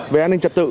về an ninh trật tự